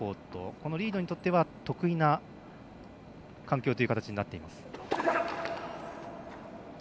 このリードにとっては得意な環境という形になっています。